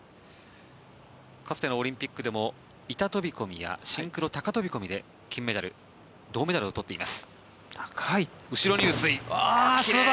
かつてのオリンピックでも板飛込やシンクロ高飛込で金メダルや銅メダルを取っています。